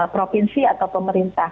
provinsi atau pemerintah